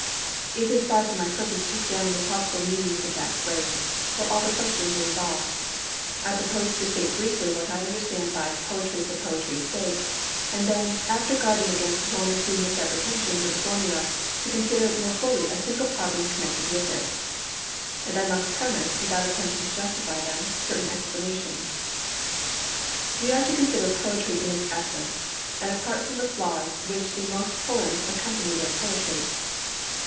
It is far from my purpose to examine the possible meanings of that phrase, or all the questions it involves. I propose to state briefly what I understand by 'Poetry for poetry's sake,' and then, after guarding against one or two misapprehensions of the formula, to consider more fully a single problem connected with it. And I must premise, without attempting to justify them, certain explanations. We are to consider poetry in its essence, and apart from the flaws which in most poems accompany their poetry.